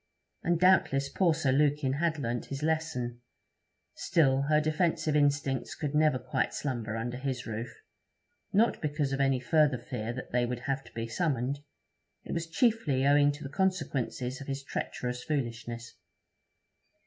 And doubtless poor Sir Lukin had learnt his lesson; still, her defensive instincts could never quite slumber under his roof; not because of any further fear that they would have to be summoned; it was chiefly owing to the consequences of his treacherous foolishness.